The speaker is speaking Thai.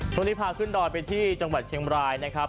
พาขึ้นดอยไปที่จังหวัดเชียงบรายนะครับ